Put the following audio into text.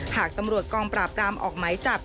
หากตำรวจกองปราบรามออกหมายจับ